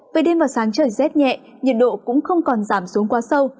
về đêm và sáng trời rét nhẹ nhiệt độ cũng không còn giảm xuống quá sâu